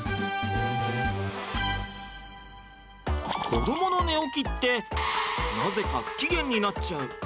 子どもの寝起きってなぜか不機嫌になっちゃう。